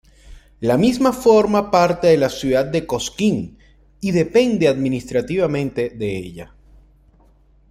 La misma forma parte de la ciudad de Cosquín, y depende administrativamente de ella.